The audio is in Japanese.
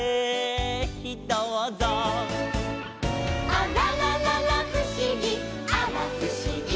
「あららららふしぎあらふしぎ」